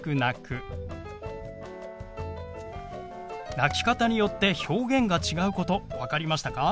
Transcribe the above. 泣き方によって表現が違うこと分かりましたか？